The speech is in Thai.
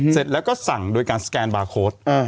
เสร็จแล้วก็สั่งโดยการสแกนบาร์โค้ด